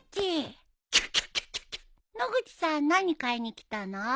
野口さん何買いに来たの？